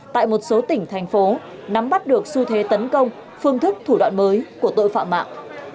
tại một số tỉnh thành phố nắm bắt được xu thế tấn công phương thức thủ đoạn mới của tội phạm mạng